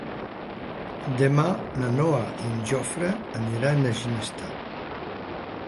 Demà na Noa i en Jofre aniran a Ginestar.